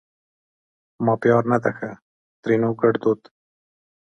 ما پیار نه ده ښه؛ ترينو ګړدود